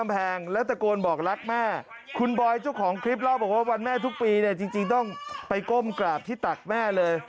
เพราะวันแม่ทุกปีจริงต้องไปก้มกราบที่ตักแม่เลย